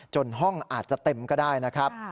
ห้องอาจจะเต็มก็ได้นะครับ